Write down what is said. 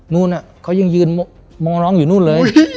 นู่นเขายังยืนมองน้องอยู่นู่นเลย